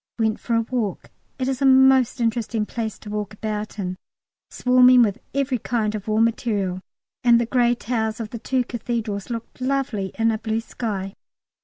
Went for a walk. It is a most interesting place to walk about in, swarming with every kind of war material, and the grey towers of the two Cathedrals looked lovely in a blue sky.